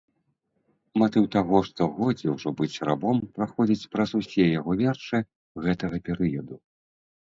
Матыў таго, што годзе ўжо быць рабом, праходзіць праз усе яго вершы гэтага перыяду.